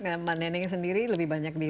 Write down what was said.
neneknya sendiri lebih banyak di